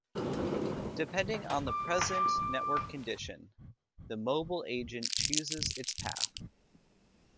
Depending up on the present network condition the mobile agent chooses its path.